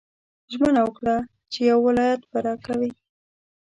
ژمنه وکړه چې یو ولایت به راکوې.